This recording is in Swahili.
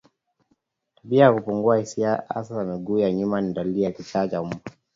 Tabia ya kupungua hisia hasa miguu ya nyuma ni dalili ya kichaa cha mbwa